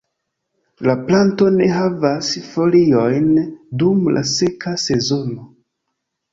La planto ne havas foliojn dum la seka sezono.